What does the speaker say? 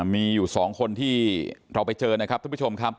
มีอยู่สองคนที่เราไปเจอทุกผู้ชม